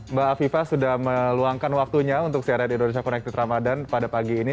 mbak aviva sudah meluangkan waktunya untuk siaran indonesia connected ramadhan pada pagi ini